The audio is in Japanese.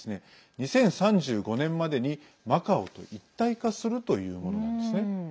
２０３５年までにマカオと一体化するというものなんですね。